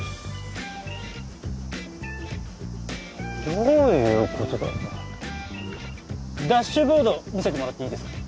どういうことだダッシュボード見せてもらっていいですか？